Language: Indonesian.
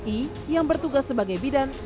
i yang bertugas sebagai bidan